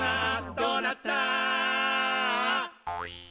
「どうなった？」